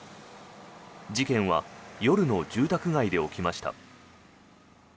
事件は夜の住宅街で起きました。